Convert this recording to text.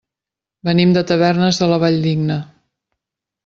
Venim de Tavernes de la Valldigna.